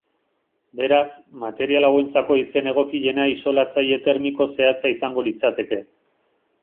Beraz, material hauentzako izen egokiena isolatzaile termiko zehatza izango litzateke.